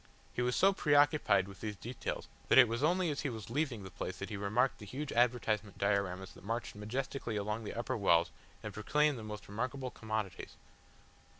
He was so preoccupied with these details that it was only as he was leaving the place that he remarked the huge advertisement dioramas that marched majestically along the upper walls and proclaimed the most remarkable commodities.